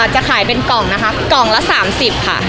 จะขายเป็นกล่องนะคะกล่องละ๓๐ค่ะ